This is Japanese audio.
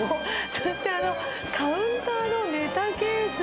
そしてカウンターのネタケース。